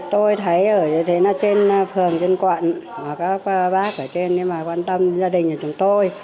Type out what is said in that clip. tôi thấy ở trên phường trên quận các bác ở trên quan tâm gia đình của chúng tôi